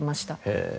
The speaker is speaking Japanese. へえ。